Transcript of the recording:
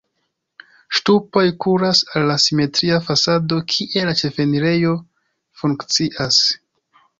Ŝtupoj kuras al la simetria fasado, kie la ĉefenirejo funkcias.